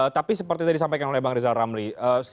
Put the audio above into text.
tapi seperti tadi disampaikan oleh bang rizal ramli